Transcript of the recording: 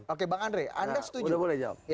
oke bang andre anda setuju